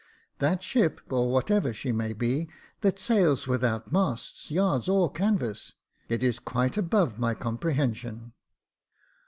" That ship, or whatever she may be, that sails without masts, yards, or canvas ; it is quite above my comprehension."